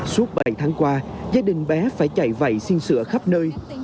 suốt bảy tháng qua gia đình bé phải chạy vậy xin sữa khắp nơi